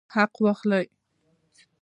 حق واخلئ